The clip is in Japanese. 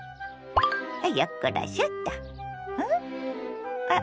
よっこらしょっと。